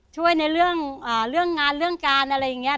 ช่วยในเรื่องงานเรื่องการอะไรอย่างนี้